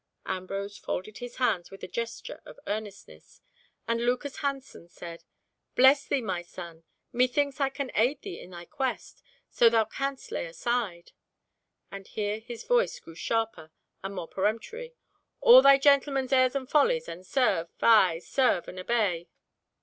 Ambrose folded his hands with a gesture of earnestness, and Lucas Hansen said, "Bless thee, my son! Methinks I can aid thee in thy quest, so thou canst lay aside," and here his voice grew sharper and more peremptory, "all thy gentleman's airs and follies, and serve—ay, serve and obey."